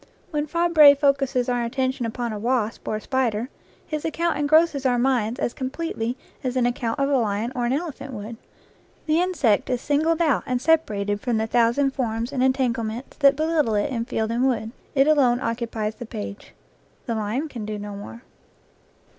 When Fabre focuses our attention upon a wasp or a spider, his account engrosses our minds as com pletely as an account of a lion or an elephant would; the insect is singled out and separated from the thousand forms and entanglements that belittle it in field and wood; it alone occupies the page. The lion can do no more.